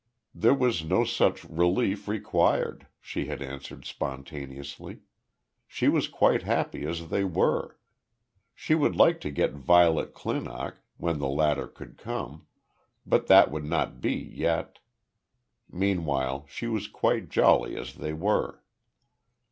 There was no such "relief" required, she had answered spontaneously. She was quite happy as they were. She would like to get Violet Clinock, when the latter could come, but that would not be yet. Meanwhile she was quite jolly as they were.